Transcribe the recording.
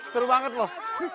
seru banget loh